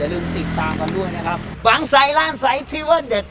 อย่าลืมติดตามก่อนด้วยนะครับบางสายร้านสายที่ว่าเด็ด